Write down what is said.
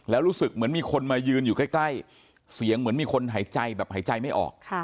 แล้วรู้สึกเหมือนมีคนมายืนอยู่ใกล้เสียงเหมือนมีคนหายใจแบบหายใจไม่ออก